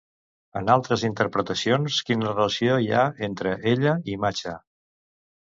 En altres interpretacions, quina relació hi ha entre ella i Macha?